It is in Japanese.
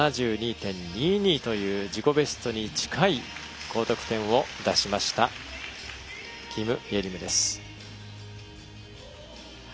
７２．２２という自己ベストに近い高得点を出しましたキム・イェリムです。